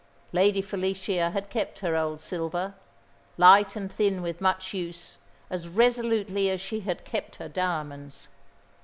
Lady Felicia had kept her old silver light and thin with much use as resolutely as she had kept her diamonds.